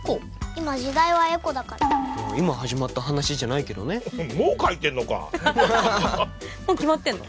今時代はエコだから今始まった話じゃないけどねもう書いてんのかもう決まってんの？